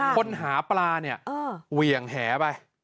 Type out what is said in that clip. คนหาปลาเนี่ยเหวี่ยงแหไป